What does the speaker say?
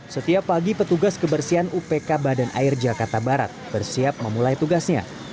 setiap pagi petugas kebersihan upk badan air jakarta barat bersiap memulai tugasnya